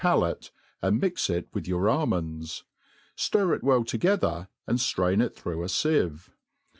palate, and mix it with your almonds : ftir it well together, and ftrain it through a fieve.